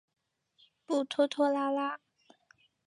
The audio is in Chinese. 不拖拖拉拉。